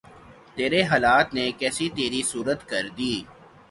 تیرے حالات نے کیسی تری صورت کر دی